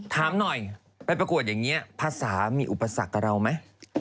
ถามหน่อยไปประกวดอย่างนี้ภาษามีอุปสรรคกับเราไหม